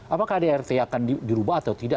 apakah adart akan dirubah atau tidak